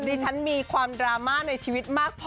ดิฉันมีความดราม่าในชีวิตมากพอ